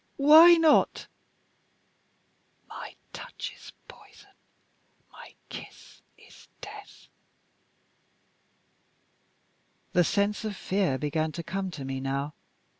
"Why not?" "My touch is poison. My kiss is death." The sense of fear began to come to me now.